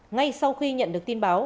ngay sau khi nhận được tin báo